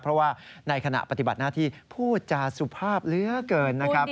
เพราะว่าในขณะปฏิบัติหน้าที่พูดจาสุภาพเหลือเกินนะครับ